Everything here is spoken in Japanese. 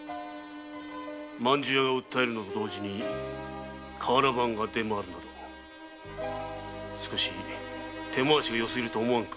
饅頭屋が訴えると同時に瓦版が出回るなど手回しがよすぎるとは思わぬか？